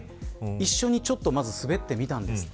一緒にちょっとまず滑ってみたんですって。